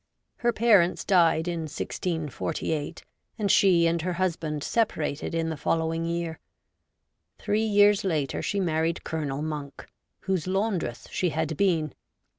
Her parents died in 1648, and she and her husband separated in the following year. Three years later she married Colonel Monk, whose laundress she had been.